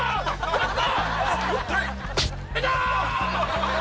やった！